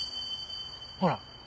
ほら。